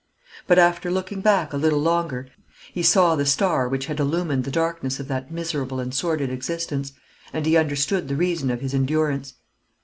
But after looking back a little longer, he saw the star which had illumined the darkness of that miserable and sordid existence, and he understood the reason of his endurance.